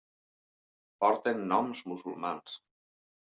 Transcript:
Porten noms musulmans.